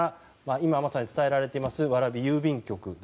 今まさに伝えられている蕨郵便局。